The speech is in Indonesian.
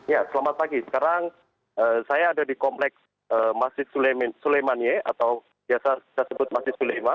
ya selamat pagi sekarang saya ada di kompleks masjid suleymaniye atau biasa disebut masjid suleyman